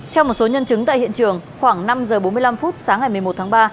theo một số nhân chứng tại hiện trường khoảng năm h bốn mươi năm phút sáng ngày một mươi một tháng ba